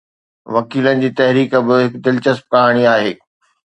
وڪيلن جي تحريڪ به هڪ دلچسپ ڪهاڻي آهي.